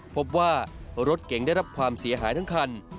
พบว่ารถเก๋งได้รับความเสียหายทั้งคัน